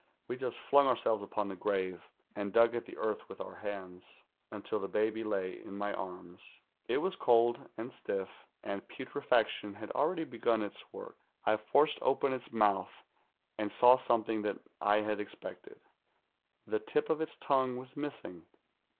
We just flung ourselves upon the grave, and dug at the earth with our hands, until the baby lay in my arms. It was cold and stiff, and putre faction had already begun its work. I forced open its mouth, and saw something that I had expected. The tip of its tongue was missing.